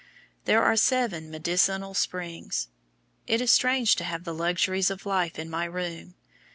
There are seven medicinal springs. It is strange to have the luxuries of life in my room.